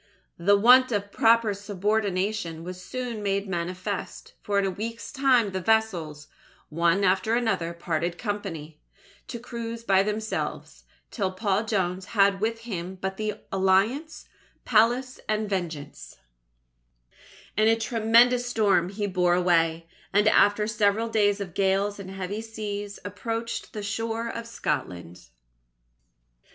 The want of proper subordination was soon made manifest, for in a week's time the vessels, one after another, parted company, to cruise by themselves, till Paul Jones had with him but the Alliance, Pallas, and Vengeance. In a tremendous storm he bore away, and after several days of gales and heavy seas, approached the shore of Scotland.